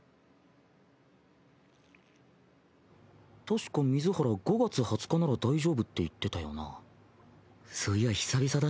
確か水原５月２０日なら大丈夫って言ってたよな。